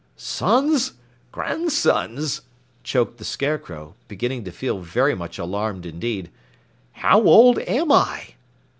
"Sons! Grandsons!" choked the Scarecrow, beginning to feel very much alarmed indeed. "How old am I?"